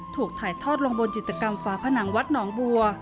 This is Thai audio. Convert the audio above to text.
ถูกถ่ายทอดลงบนจิตกรรมฝาผนังวัดหนองบัว